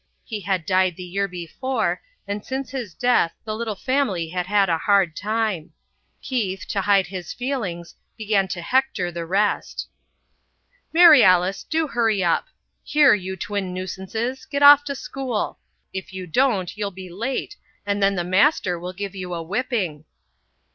He had died the year before, and since his death the little family had had a hard time. Keith, to hide his feelings, began to hector the rest. "Mary Alice, do hurry up. Here, you twin nuisances, get off to school. If you don't you'll be late and then the master will give you a whipping."